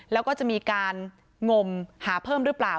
แล้วก็จะมีการงมหาเพิ่มหรือเปล่า